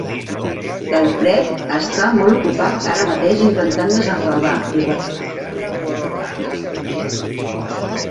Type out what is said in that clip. Alfred està molt ocupat ara mateix intentant desenredar i reparar un laberint de cables d'ordinador.